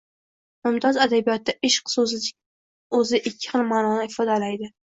Mumtoz adabiyotda “ishq” so’zining o’zi ikki xil ma’noni ifodalaydi.